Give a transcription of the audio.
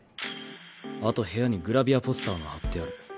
あと部屋にグラビアポスターが貼ってある。